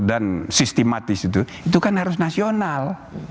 dan sistematis itu kan harus nasional